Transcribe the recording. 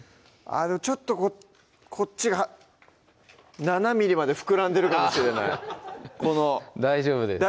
ちょっとこっちが７ｍｍまで膨らんでるかもしれない大丈夫です